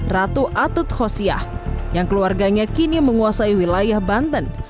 ratu atut khosiyah yang keluarganya kini menguasai wilayah banten